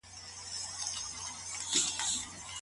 ولي لېواله انسان د تکړه سړي په پرتله هدف ترلاسه کوي؟